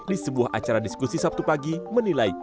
di sebuah acara diskusi sabtu pagi menilai